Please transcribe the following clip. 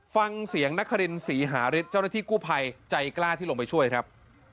ฟังเสียงนครินศรีหาฤทธิ์เจ้าหน้าที่กู้ภัยใจกล้าที่ลงไปช่วยครับ